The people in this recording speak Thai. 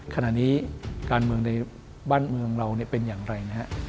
ขณะนี้การเมืองในบ้านเมืองเราเป็นอย่างไรนะฮะ